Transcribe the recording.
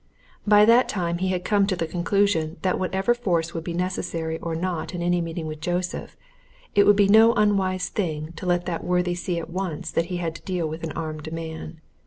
By that time he had come to the conclusion that whether force would be necessary or not in any meeting with Joseph, it would be no unwise thing to let that worthy see at once that he had to deal with an armed man.